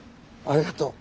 ありがとう。